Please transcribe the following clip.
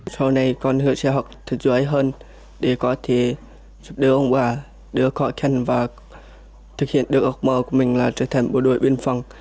sau này con hứa sẽ học thật giỏi hơn để có thể giúp đỡ ông bà đưa khó khăn và thực hiện được ước mơ của mình là trở thành bộ đội biên phòng